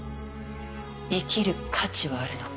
「生きる価値はあるのか？」